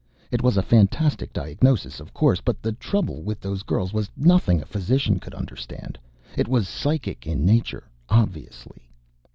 It was a fantastic diagnosis, of course. But the trouble with those girls was nothing a physician could understand. It was psychic in nature, obviously.